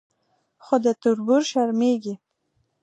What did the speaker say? خو له تربور شرمېږي.